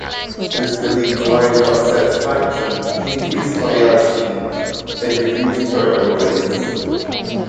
This can lead to higher job satisfaction, increased loyalty, and reduced turnover rates.